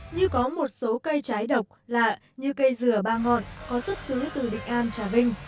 như có một số cây trái độc lạ như cây dừa ba ngọn có xuất xứ từ định an trà vinh